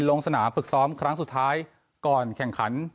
ลงสนามฝึกซ้อมครั้งสุดท้ายก่อนแข่งขัน